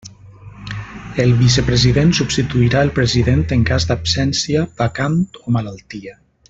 El vicepresident substituirà el president en cas d'absència, vacant, o malaltia.